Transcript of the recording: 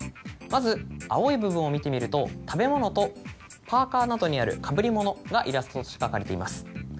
まず青い部分を見てみると食べ物とパーカなどにあるかぶり物がイラストとして描かれています。